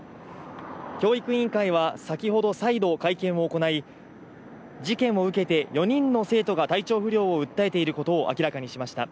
教育委員会は先ほど再度会見を行い、事件を受けて４人の生徒が体調不良を訴えていることを明らかにしました。